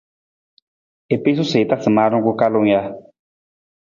I piisu sa i tasa maarung ku kalung ja?